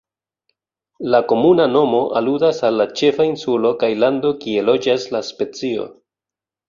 La komuna nomo aludas al la ĉefa insulo kaj lando kie loĝas la specio.